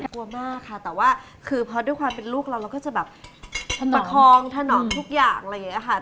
กลัวมากค่ะแต่ว่าคือพอด้วยความเป็นลูกเราเราก็จะแบบประคองถนอมทุกอย่างอะไรอย่างนี้ค่ะ